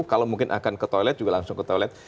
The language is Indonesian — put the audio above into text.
kalau mungkin akan ke toilet juga langsung ke toilet